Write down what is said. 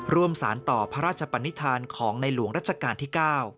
ร่วมสารต่อพระราชปนิษฐานของในหลวงรัชกาลที่๙